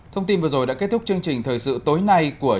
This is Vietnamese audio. thông tin vừa rồi đã kết thúc chương trình thời sự tối nay của